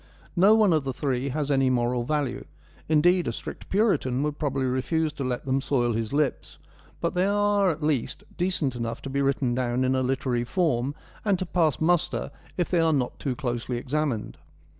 No one of the three has any moral value ; indeed, a strict Puritan would probably refuse to let them soil his lips ; but they are at least decent enough to be written down in a literary form, and to pass muster, if they are not too closely examined.